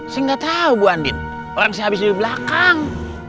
saya nggak tahu bu andin orang saya habis di belakang